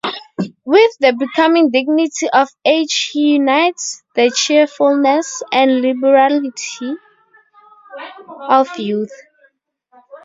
With the becoming dignity of age he unites the cheerfulness and liberality of youth.